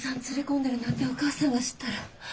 連れ込んでるなんてお母さんが知ったら。